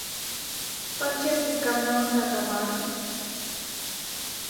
— Пакча-саскам налынат аман?